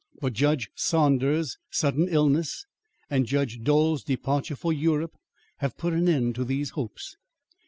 But Judge Saunders' sudden illness and Judge Dole's departure for Europe have put an end to these hopes.